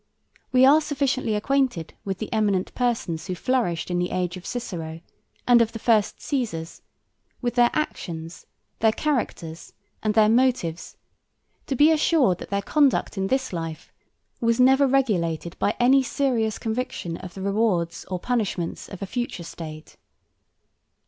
We are sufficiently acquainted with the eminent persons who flourished in the age of Cicero and of the first Cæsars, with their actions, their characters, and their motives, to be assured that their conduct in this life was never regulated by any serious conviction of the rewards or punishments of a future state.